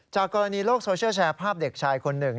กรณีโลกโซเชียลแชร์ภาพเด็กชายคนหนึ่ง